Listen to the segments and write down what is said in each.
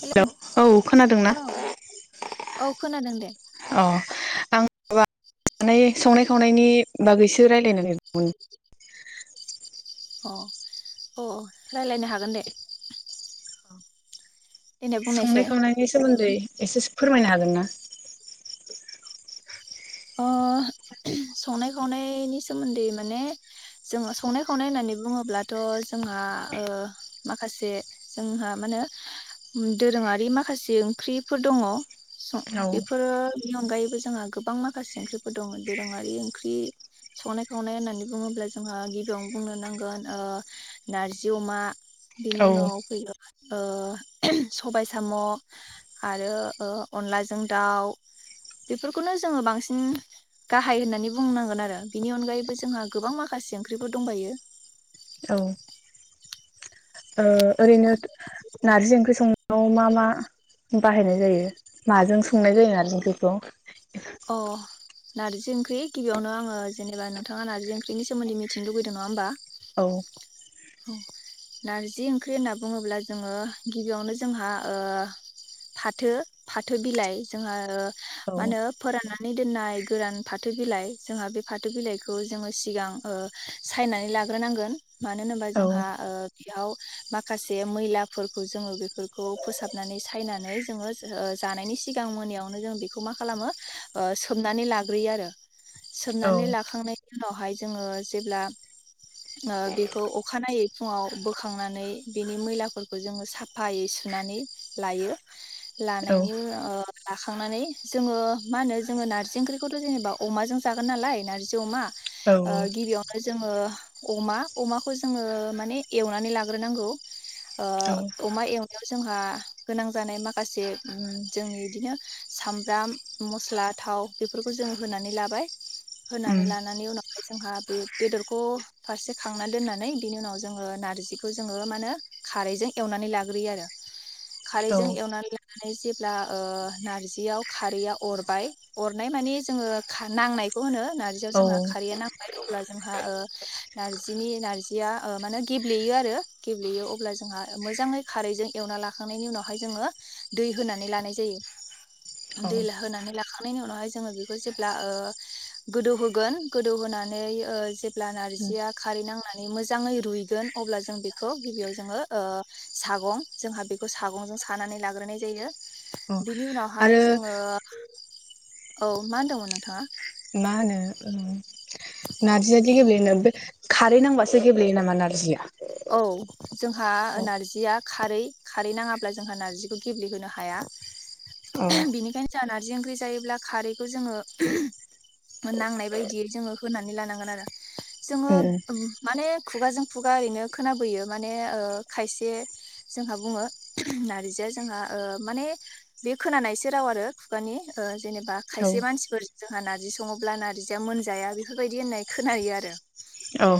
हेल' hello औ खोनादोंना? औ औ खोनादों दे अ आं माबा संनाय खावनायनि बागैसो रायलायनो नागिरदोंमोन। अ अ रायलायनो हागोन दे। देनाय बुंनायसाय संनाय खावनायनि सोमोन्दै एसेसो फोरमायनो हागोन ना? अ संनाय खावनायनि सोमोन्दै माने जोङो संनाय खावनाय होननानै बुङोब्लाथ' ओ जोंहा माखासे जोंहा माने दोरोङारि माखासे ओंख्रिफोर दङ। स औ बेफोरो बेनि अनायैबो जोंहा गोबां मा माखासे ओंख्रिफोर दङ दोरोङारि ओंख्रि संनाय खावनाय होननानै बुङोब्ला जोंहा गिबियावनो बुंनो नांगोन ओ नारजि अमा बेनि औ उनाव फैयो ओ सबाय साम' आरो ओ अनलाजों दाउ बेफोरखौनो जोङो बांसिन सिन गाहाय होननानै बुंनांगोन आरो बिनि अनगायैबो जोंहा गोबां माखासे ओंख्रिफोर दंबायो। औ ओ ओरैनो नारजि ओंख्रि संनायाव मा मा बाहायनाय जायो माजों संनाय जायो नारजि ओंख्रिखौ अ नारजि ओंख्रि गिबि गिबियावनो आङो जेनेबा नोंथाङा नारजि ओंख्रिनि सोमोन्दै मिथिनो लुगैदों नङा होनबा औ ओ नारजि ओंख्रि होनना बुङोब्ला जोङो गिबियावनो जोंहा ओ फाथो फाथो बिलाइ जोंहा ओ औ मा होनो फोराननानै दोननाय गोरान फाथो बिलाइ जोंहा बे फाथो बिलाइखौ जोङो सिगां ओ सानानै लाग्रोनांगोन मानो होनो औ जोंहा ओ बेयाव माखासे मैलाफोरखौ जोङो बेफोरखौ फोसाबनानै सायनानै जोङो ओ जानायनि सिगां मोनायावनो जों बेखौ मा खालामो सोमनानै लाग्रोयो आरो औ सोमनानै लाखांनाय उनावहाय जोङो जेब्ला ओ बिखौ दै फुङाव बोखांनानै बिनि मैलाफोरखौ जोङो साफायै सुनानै लायो औ लानायनि ओ लाखांनानै जोङो मा होनो जोङो नार्जि ओंख्रिखौथ' जेनेबा अमाजों जागोन नालाय नार्जि अमा औ ओ गिबियावनो जोङो अमा अमाखौ जों जोङो माने एवनानै लाग्रोनांगौ ओ उम अमा एव नायाव जोंहा गोनां जानाय माखासे जोंनि इदिनो सामब्राम मस्ला थाव बेफोरखौ जोङो होनानै लाबाय होनानै लानानै उनाव जोंहा बे बेदरखौ फारसे खांना दोननानै बिनि उनाव जोङो नारजिखौ जोङो मा होनो खारैजों एवनानै लाग्रोयो आरो औ खारैजों एवनानै ला माने जेब्ला ओ नारजियाव खारैया अरबाय अरनाय माने जोङो नांनायखौ होनो नारजियाव औ जोंहा खारैया नांबाय अब्ला जोंहा ओ नार्जिनि नार्जि आ माने ओ गेब्लेयो आरो गेब्लेयो अब्ला जोंहा मोजाङै खारैजों एवना लाखांनायनि उनावहाय जोङो दै होनानै लानाय जायो दै होनानै लाखांनायनि उनावहाय जोङो बेखौ जेब्ला ओ गोदौ होगोन गोदौ होनानै ओ जेब्ला नारजिया खारै नांनानै मोजाङै रुइगोन अब्ला जों बेखौ गिबियाव जोङो ओ सागं जोंहा बेखौ सागंजों सानानै लाग्रोनाय जायो बिनि आरो उनावहाय जोङो औ मा होनदोंमोन नोंथाङा मा होनो नारजियादि गेब्लेनबो खारै नांबासो गेब्लेयो नामा नारजिया औ जोंहा नार्जिआ खारै खारै नाङाब्ला जोंहा नार्जिखौ गेब्लेहोनो हाया अ औ बेनिखायनो जोंहा नार्जि ओंख्रि जायोब्ला खारैखौ जोङो नांनाय बायदियै जोङो होनानै लानांगोन आरो जोङो माने खुगाजों खुगा ओरैनो खोनाबोयो माने ओ खायसे जोंहा बुङो नार्जिआ जोंहा ओ माने बे खोनानायसो राव आरो खुगानि ओ जेनेबा औ खायसे मानसिफोर जोंहा नारजि सङोब्ला नार्जिया मोनजाया बेफोरबायदि होननाय खोनायो आरो औ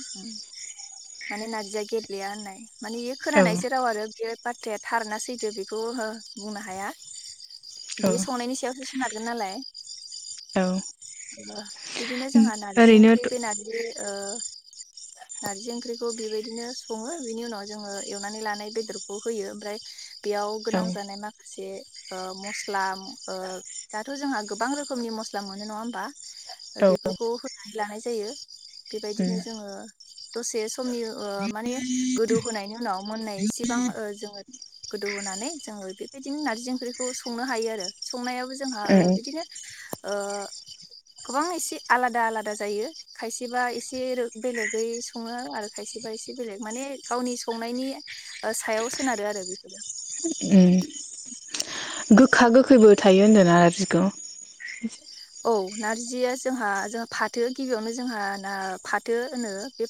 उ [inaudible] माने नारजिया गेब्लेया होननाय माने औ खोनानायसो राव आरो बेयो बाथ्राया थार ना सैदो बेखौ बुंनो हाया बियो संनायनि सायावसो सोनारगोन नालाय औ ओ बिदिनो जोंहा नारजि ओंख्रि ओरैनोथ' बे नारजि ओ नारजि ओंख्रिखौ बेबायदिनो सङो बिनि उनाव जोङो एवनानै लानाय बेदरखौ होयो ओमफ्राय बेयाव औ गोनां जानाय माखासे ओ मस्ला ओ दाथ' जोंहा गोबां रोखोमनि मस्ला मोनो नङा हो बा औ बेफोरखौ होनानै लानाय जायो बेबायदिनो जोङो दसे समनि ओ माने गोदौहोनायनि उनाव मोननाय इसेबां ओ जोङो गोदौ होनोनानै जोङो बेबायदिनो नारजि ओंख्रिखौ संनो हायो आरो संनायाबो जोंहा ओ बिदिनो ओ गोबां एसे आलादा आलादा जायो खायसेबा एसे बेलेगै सङो आरो खायसेबा एसे बेलेग माने गावनि संनायनि सायाव सोनारो आरो [inaudible] गोखा गोखैबो थायो होन्दोना नारजिखौ औ नारजिया जोंहा जोंहा फाथो गिबियावनो जोंहा ना फाथो होनो बे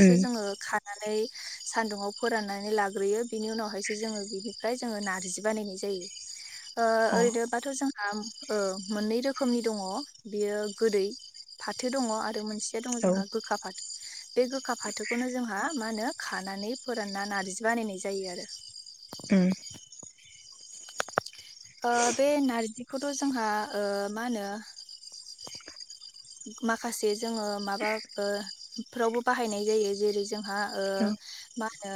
अ जोङो खार नानै सानदुङाव फोराननानै लाग्रोयो बिनि उनावहायसो जों नारजि बानाय जायो ओ औ ओरैनोबाथ जोंहा रोखोमनि दङ बे गोदै फाथो दङ आरो मोनसेया दङ औ जोंहा गोखा फाथो बे गोखा फाथोखौनो जोंहा मा होनो खानानै फोरानना नारजि बानायनाय जायो आरो अ ओ बे नारजिखौथ' जोंहा ओ मा होनो माखासे जोङो माबाफ्रावबो ओ बाहायनाय जायो जेरै जोंहा औ मा होनो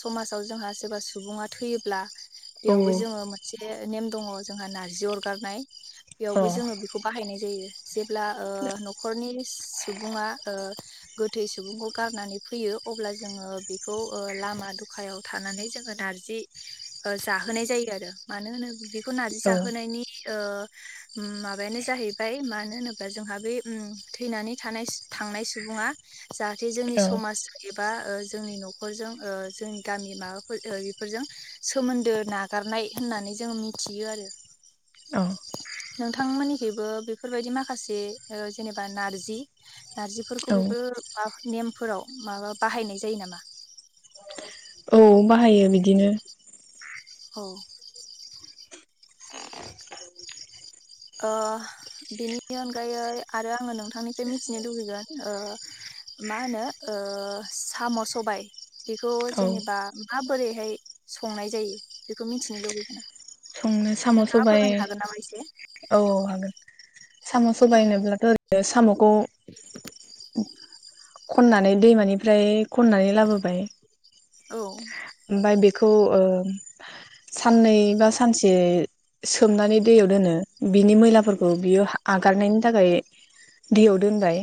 समाजाव जोंहा सोरबा सुबुङा थैयोब्ला बेयावबो जोङो मोनसे नेम दङ जोंहा नारजि अरगारनाय बेयावबो औ जोङो बेखौ बाहायनाय जायो जेब्ला ओ न'खरनि सुबुङा गोथै सुबुंखौ गारनानै फैयो अब्ला जोङो बेखौ ओ लामा दखायाव थानानै जोङो नार्जि जाहोनाय जायो आरो मानो होनो बेखौ नार्जि जाहोनायनि ओ माबायानो जाहैबाय मानो होनोब्ला जोंहा बे थैनानै थानाय थांनाय सुबुङा जाहाथे जोंनि औ समाज एबा जोंनि न'खरजों जोंनि गामि माबाफोर बेफोरजों सोमोनदो नागारनाय होननानै जों मिथियो आरो नोंथांमोननिखैबो बेफोरबायदि माखासे जेनेबा नारजि नारजिफोरखौ औ बेफोरा नेमफोराव माबा बाहायनाय जायो नामा औ बाहायो बिदि बिदिनो औ ओ बेनि अनगायै आरो आङो नोंथांनिफ्राय मिथिनो लुुबैगोन मा होनो ओ साम' सबाय बेखौ औ जेनेबा माबोरैहाय संनाय जायो बेखौ मिथिनो लुुबैगोन साम' सबाइ औ हागोन साम' औ सबाइ होनोब्लाथ' साम'खौ खननानै दैमानिफ्राय खननानै लाबोबाय औ ओमफाय बेखौ ओ साननै बा सानसे सोमनानै दैयाव दोनो बिनि मैलाफोरखौ बियो आगारनायनि थाखाय दैयाव दोनबाय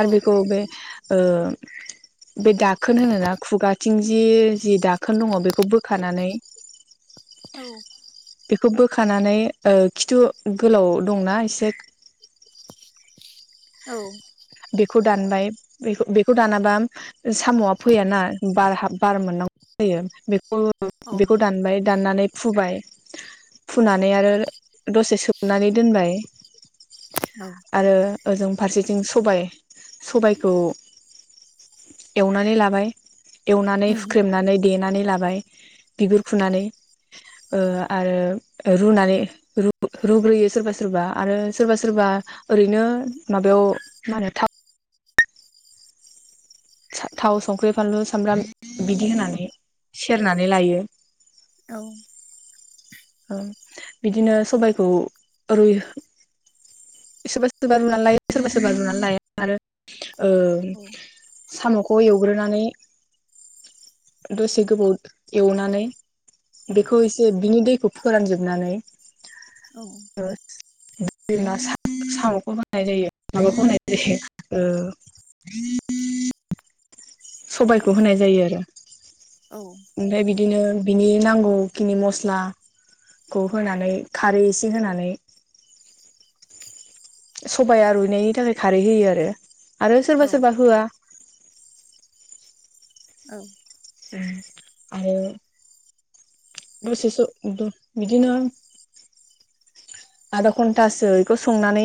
आरो औ बेखौ बे ओ बे दाखोन होनोना खुगाथिंजि जि दाखोन दङ बेखौ बोखानानै बेखौ बोखानानै ओ खिथु गोलाव दंना एसे औ बेखौ दानबाय बेखौ दानाबा साम'आ फैयाना बार हाब बार मोननांगौ जायो बेखौ बेखौ दानबाय दाननानै फुबाय फुनानै आरो दसे सोमनानै दोनबाय औ आरो ओजों फारसेथिं सबाइ सबाइखौ एवनानै लाबाय एवनानै उम हुख्रेमनानै देनानै लाबाय बिगुर फुनानै ओ आरो रुनानै रुग्रोयो सोरबा सोरबा आरो सोरबा सोरबा ओरैनो माबायाव मारो थाव थाव संख्रि फानलु सामब्राम बिदि होनानै सेरनानै लायो औ ओ बिदिनो सबायखौ रुइ सोरबा सोरबा रुनानै लायो सोरबा सोरबा रुनानै लायो आरो ओ साम' खौ एवग्रोनानै दसे गोबाव ओ एवनानै बेखौ एसे बिनि दैखौ फोरानजोबनानै औ साम'खौ होननाय जायो माबाखौ होननाय जायो ओ सबायखौ होनाय जायो आरो औ ओमफ्राय बिदिनो बिनि नांगौखिनि मस्लाखौ होनानै खारै एसे होनानै सबाया रुइनायनि थाखाय खारै होयो आरो आरो औ सोरबा सोरबा होआ औ ओम आरो दसेसो बिदिनो आधा घन्टासो बेखौ संनानै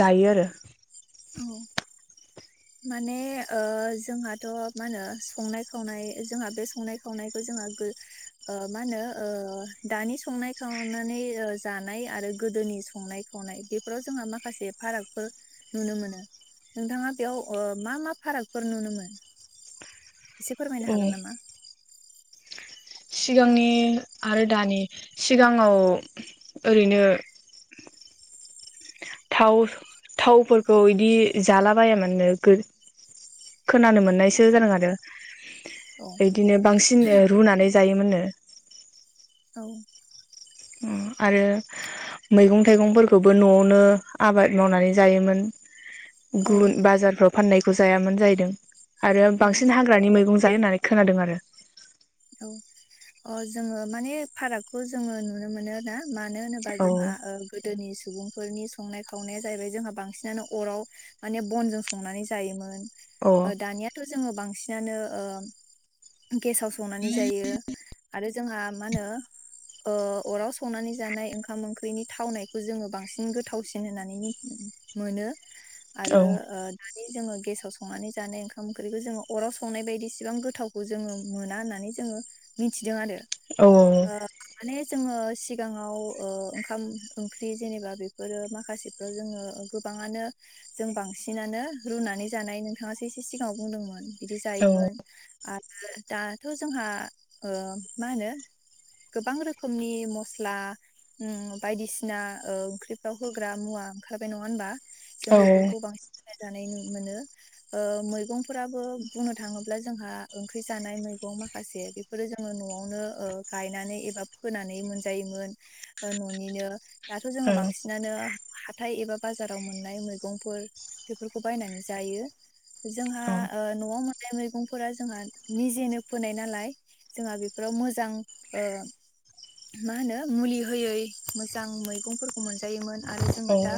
जायो आरो औ माने ओ जोंहाथ' मा होनो संनाय खावनाय जोंहा बे संनाय खावनायखौ जोंहा ओ मा होनो दानि संनाय खावनानै जानाय आरो गोदोनि संनाय खावनाय बेफोराव जोंहा माखासे फारागफोर नुनो मोनो नोंथाङा औ ओ मा मा फारागफोर नुनोमोन एसे फोरमायनो हागोन नामा सिगांनि आरो दानि सिगाङाव ओरैनो थाव थावफोरखौ इदि जाला बाया मोन नो गो खोनानो मोननायसो औ जादों आरो औ औइदिनो बांसिन ओ रुनानै जायोमोननो औ ओ आरो मैगं थाइगंफोरखौबो न'आवनो आबाद मावनानै जायोमोन औ गुन बाजारफ्राव फाननाय बेखौ जायामोन जाहैदों आरो औ बांसिन हाग्रानि मैगं जायो होननानै खोनादों आरो औ अ जोङो माने फारागखौ जोङो नुनो मोनो ना मानो होनोबा औ जोंहा ओ गोदोनि सुबुंफोरनि संनाय खावनाया जाहैबाय जोंहा बांसिनानो अराव माने बनजों संनानै जायोमोन औ दानियाथ' जोङो बांसिन बांसिनानो ओ गेसआव संनानै जायो आरो जोंहा मा होनो ओ अराव संनानै जानाय ओंखाम ओंख्रिनि थावनायखौ जोङो बांसिन गोथावसिन होननानै मिन मोनो औ आरो दानि जो गेसाव संनानै जानाय ओंखाम ओंख्रिखौ जोङो अराव संनाय बायदि इसेबां गोथाव जोङो मोना होनना नानै जोङो मिथिदों आरो औ ओ माने जोङो सिगाङाव ओ ओंखाम ओंख्रि जेनेबा बेफोरो माखासेफ्राव जोङो गोबाङानो जों बांसिनानो रुनानै जानाय नोंथाङासो एसे सिगाङाव बुंदोंमोन बिदि औ जायोमोन दा थ' जोंहा ओ मा होनो गोबां रोखोमनि मस्ला उम बायदिसिना ओ ओंख्रिफ्राव होग्रा मुवा ओंखारबाय नङा होनबा जों बेफोरखौ बांसिन जानाय नुनो मोनो ओ मैंफोराबो बुंनो थाङोब्ला जोंहा ओंख्रि जानाय मैगं माखासे बेफोरो जोङो न'आवनो ओ गायनानै एबा फोनानै मोनजायोमोन न'निनो दाथ' जोङो बांसिनानो हाथाय एबा बाजाराव मोननाय मैगंफोर बेफोरखौ बायनानै जायो जोंहा औ ओ न'आव मैगंफोरा जोंहा निजेनो फोनाय नालाय जोंहा बेफोराव मोजां ओ मा होनो मुलि होयै मोजां मैगंफोरखौ मोनजायोमोन आरो जोङो औ दा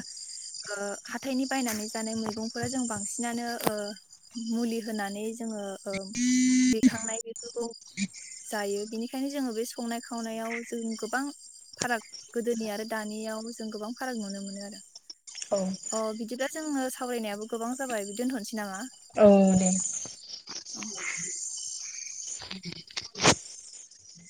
ओ हाथायनि बायनानै जानाय मैगंफोरा जों बांसिनानो मुलि होनानै जोङो ओ दैखांनाय बेफोरखौ जायो बेनिखायनो जोङो बे संनाय खावनायाव जों गोबां फाराग गोदोनि आरो दानियाव जों गोबां फाराग नुनो मोनो आरो औ अ बिदिब्ला जोंनो सावरायनायाबो गोबां जाबाय बि दोनथ'नोसै नामा औ दे औ